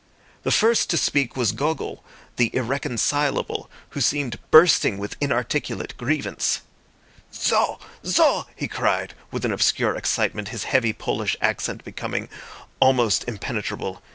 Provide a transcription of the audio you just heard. The first to speak was Gogol, the irreconcilable, who seemed bursting with inarticulate grievance. "Zso! Zso!" he cried, with an obscure excitement, his heavy Polish accent becoming almost impenetrable.